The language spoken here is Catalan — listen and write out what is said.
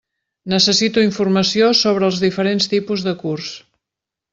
Necessito informació sobre els diferents tipus de curs.